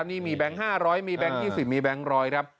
นี่มีแบงค์๕๐๐มีแบงค์๒๐มีแบงค์ร้อยครับ